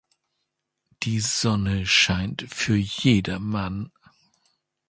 Die Sonne scheint für jedermann.